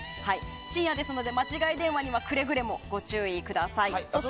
深夜ですので間違い電話にはくれぐれもご注意ください。